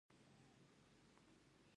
آیا د نړۍ ډیری زعفران له ایران نه راځي؟